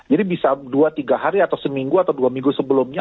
jadi bisa dua tiga hari atau seminggu atau dua minggu sebelumnya